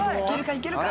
いけるか？